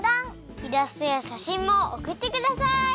イラストやしゃしんもおくってください！